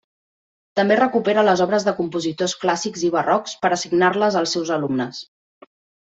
També recupera les obres de compositors clàssics i barrocs per assignar-les els seus alumnes.